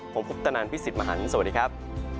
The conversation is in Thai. ผมพุทธนันทร์พี่สิทธิ์มหันธ์สวัสดีครับ